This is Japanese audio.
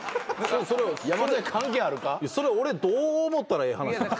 それ俺どう思ったらええ話？